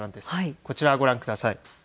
こちらをご覧ください。